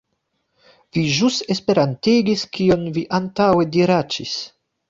Vi ĵus esperantigis kion vi antaŭe diraĉis!